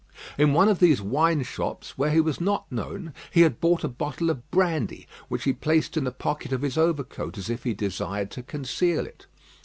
In one of these wine shops, where he was not known, he had bought a bottle of brandy, which he placed in the pocket of his overcoat, as if he desired to conceal it.